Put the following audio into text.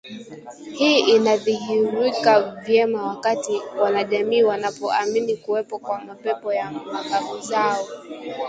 Hii inadhihirika vyema wakati wanajamii wanapoamini kuwepo kwa mapepo ya mababu zao